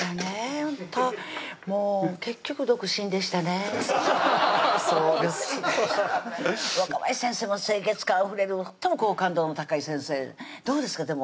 もう結局独身でしたね若林先生も清潔感あふれるとっても好感度の高い先生どうですか？